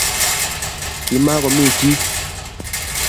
Kimakomi chi.